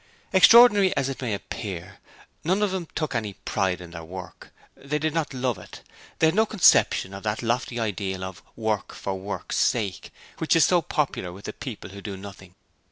Extraordinary as it may appear, none of them took any pride in their work: they did not 'love' it. They had no conception of that lofty ideal of 'work for work's sake', which is so popular with the people who do nothing.